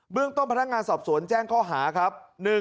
เรื่องต้นพนักงานสอบสวนแจ้งข้อหาครับ